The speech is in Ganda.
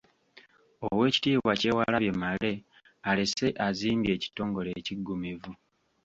Oweekitiibwa Kyewalabye Male alese azimbye ekitongole ekiggumivu.